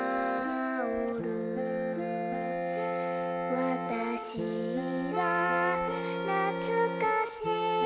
「わたしはなつかしい」